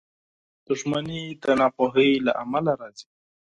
• دښمني د ناپوهۍ له امله راځي.